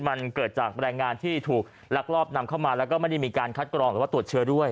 มันเกิดจากแรงงานที่ถูกลักลอบนำเข้ามาแล้วก็ไม่ได้มีการคัดกรองหรือว่าตรวจเชื้อด้วย